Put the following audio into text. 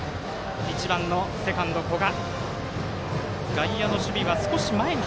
１番のセカンド、古賀。